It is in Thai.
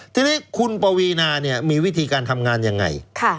ทีนี้คุณปวีนามีวิธีการทำงานยังไง